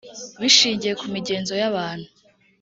bishingiye ku migenzo y abantu